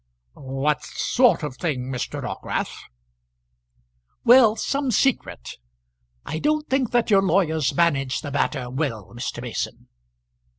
"What sort of thing, Mr. Dockwrath?" "Well; some secret. I don't think that your lawyers managed the matter well, Mr. Mason."